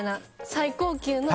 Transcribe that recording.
最高級の。